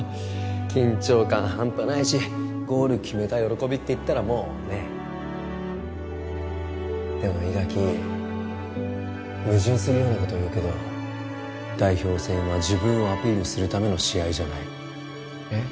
緊張感ハンパないしゴール決めた喜びっていったらもうねでも伊垣矛盾するようなこと言うけど代表戦は自分をアピールするための試合じゃないえっ？